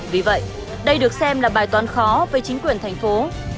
vì vậy đây được xem là bài toán khó với chính quyền thành phố